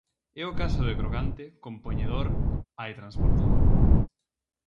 É o caso de crocante, compoñedor -a e transportador.